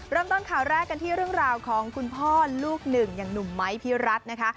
เริ่มต้นข่าวแรกกันที่เรื่องราวของคุณพ่อลูกหนึ่งอย่างหนุ่มไม้พี่รัฐนะคะ